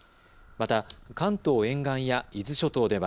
また、関東沿岸や伊豆諸島では